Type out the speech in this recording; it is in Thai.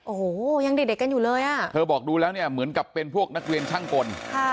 โอ้โหยังเด็กเด็กกันอยู่เลยอ่ะเธอบอกดูแล้วเนี่ยเหมือนกับเป็นพวกนักเรียนช่างกล